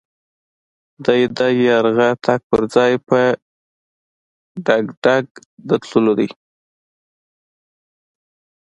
دی د يرغه تګ پر ځای په ډګډګ د تللو دی.